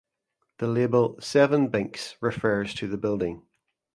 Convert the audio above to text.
The label Seven Binks refers to the building.